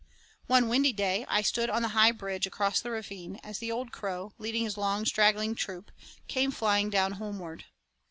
One windy day I stood on the high bridge across the ravine, as the old crow, heading his long, straggling troop, came flying down homeward.